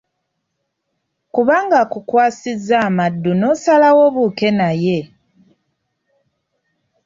Kubanga akukwasizza amaddu n’osalawo obuuke naye.